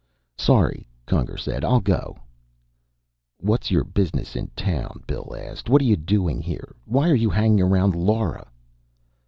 "Sorry," Conger said. "I'll go." "What's your business in town?" Bill asked. "What are you doing here? Why are you hanging around Lora?"